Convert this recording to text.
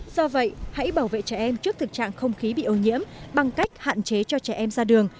do vậy hãy bảo vệ trẻ em trước thực trạng không khí bị ô nhiễm bằng cách hạn chế cho trẻ em ra đường